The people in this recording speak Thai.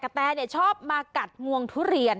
กระแต่เนี่ยชอบมากัดห่วงทุเรียน